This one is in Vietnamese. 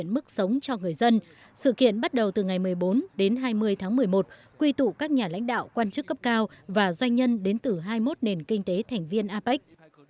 mức sống cho người dân sự kiện bắt đầu từ ngày một mươi bốn đến hai mươi tháng một mươi một quy tụ các nhà lãnh đạo quan chức cấp cao và doanh nhân đến từ hai mươi một nền kinh tế thành viên apec